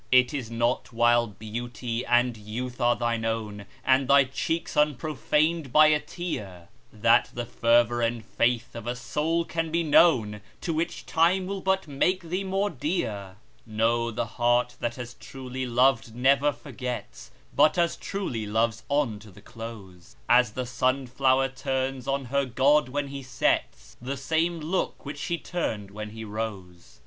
It is not while beauty and youth are thine own, And thy cheeks unprofaned by a tear, That the fervor and faith of a soul can be known, To which time will but make thee more dear; No, the heart that has truly loved never forgets, But as truly loves on to the close, As the sun flower turns on her god, when he sets, The same look which she turned when he rose.